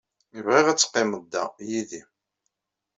Bɣiɣ ad teqqimed da, yid-i.